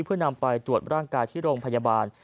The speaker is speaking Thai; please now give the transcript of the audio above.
เพื่อนำไปตรวจร่างกายที่โรงพยาบาล